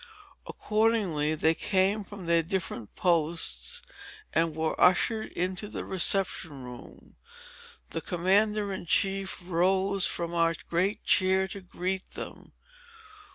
Accordingly, they came from their different posts, and were ushered into the reception room. The commander in chief arose from our great chair to greet them."